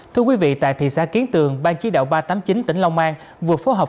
thưa quý vị tại thị xã kiến tường ban chí đạo ba trăm tám mươi chín tỉnh long an vừa phối hợp